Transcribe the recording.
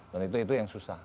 dan itu yang susah